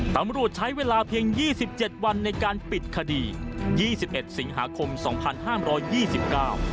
ตำรวจใช้เวลาเพียงยี่สิบเจ็ดวันในการปิดคดียี่สิบเอ็ดสิงหาคมสองพันห้ามร้อยยี่สิบเก้า